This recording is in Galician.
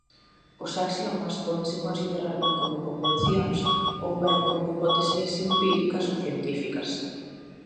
Os axiomas pódense considerar ben como convencións, ou ben como hipóteses empíricas ou científicas.